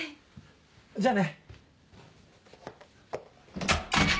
じゃあね。